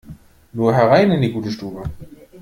Nur herein in die gute Stube!